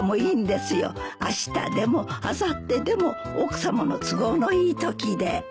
あしたでもあさってでも奥さまの都合のいいときで。